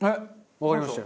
わかりましたよ。